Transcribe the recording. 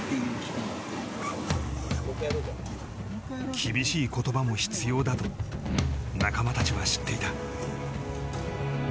厳しい言葉も必要だと仲間たちは知っていた。